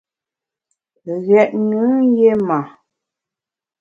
Ghét nùn yé ma.